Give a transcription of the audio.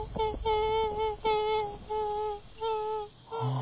あ！